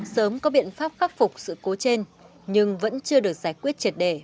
sớm có biện pháp khắc phục sự cố trên nhưng vẫn chưa được giải quyết triệt đề